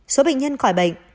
số bệnh nhân khỏi bệnh